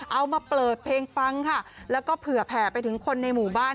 เอามาเปิดเพลงฟังค่ะแล้วก็เผื่อแผ่ไปถึงคนในหมู่บ้าน